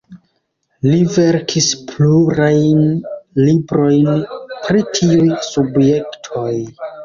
Li verkis pluraj librojn pri tiuj subjektoj.